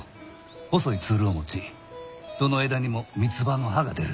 細いツルを持ちどの枝にも三葉の葉が出る。